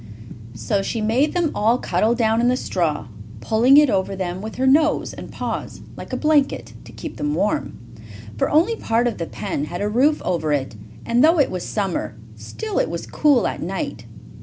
So she made them all cuddle down in the straw, pulling it over them with her nose and paws, like a blanket, to keep them warm. For only part of the pen had a roof over it, and though it was summer, still it was cool at night.